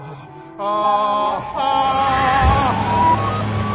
ああ！